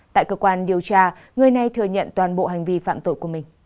tại cơ quan điều tra người này thừa nhận toàn bộ hành vi phạm tội của mình